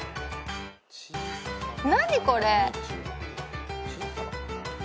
何これ？